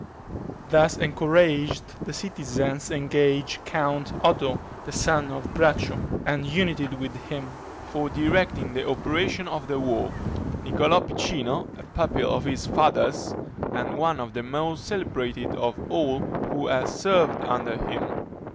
Thus encouraged, the citizens engaged Count Oddo the son of Braccio, and united with him, for directing the operations of the war, Niccolo Piccinino, a pupil of his father's, and one of the most celebrated of all who had served under him.